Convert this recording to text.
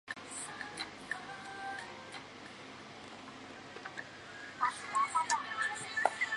边河乡是中国山东省淄博市临淄区下辖的一个乡。